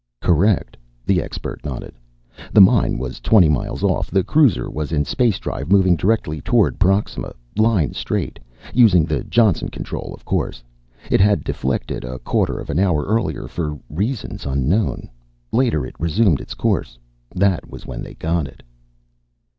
"Correct." The expert nodded. "The mine was twenty miles off. The cruiser was in space drive, moving directly toward Proxima, line straight, using the Johnson Control, of course. It had deflected a quarter of an hour earlier for reasons unknown. Later it resumed its course. That was when they got it."